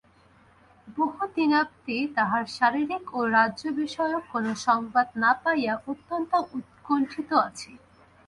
বহুদিনাবধি তাঁহার শারীরিক ও রাজ্যবিষয়ক কোন সংবাদ না পাইয়া অত্যন্ত উৎকণ্ঠিত আছি।